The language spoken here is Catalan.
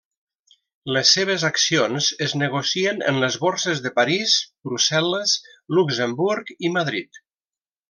Les seves accions es negocien en les Borses de París, Brussel·les, Luxemburg i Madrid.